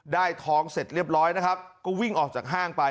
ทองเสร็จเรียบร้อยนะครับก็วิ่งออกจากห้างไป